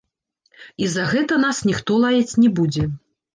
І за гэта нас ніхто лаяць не будзе!